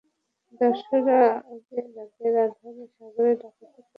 দস্যুরা আগে রাতের আঁধারে সাগরে ডাকাতি করলেও এখন দিনের আলোয় করছে।